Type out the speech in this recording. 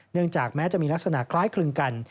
จากแม้จะมีลักษณะคล้ายคลึงกัน